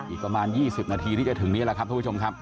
อีกประมาณ๒๐นาทีที่จะถึงนี้แหละครับทุกผู้ชมครับ